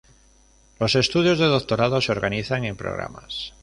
Los estudios de doctorado se organizan en programas.